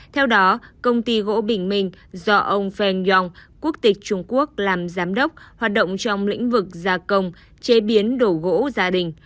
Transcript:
theo đó công ty gỗ bình minh do ông feng yong quốc tịch trung quốc làm giám đốc hoạt động trong lĩnh vực gia công chế biến đổ gỗ gia đình